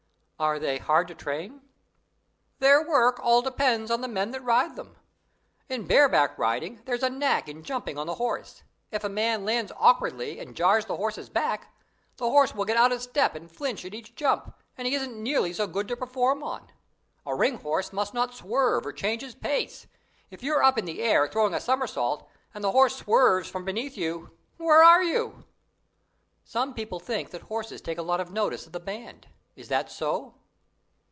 "Are they hard to train?" "Their work all depends on the men that ride them. In bareback riding there's a knack in jumping on the horse. If a man lands awkwardly and jars the horse's back, the horse will get out of step and flinch at each jump, and he isn't nearly so good to perform on. A ring horse must not swerve or change his pace; if you're up in the air, throwing a somersault, and the horse swerves from underneath you where are you?" "Some people think that horses take a lot of notice of the band is that so?"